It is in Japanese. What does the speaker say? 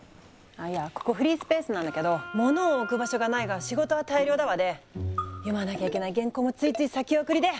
いやここフリースペースなんだけど物を置く場所がないが仕事は大量だわで読まなきゃいけない原稿もついつい先送りで。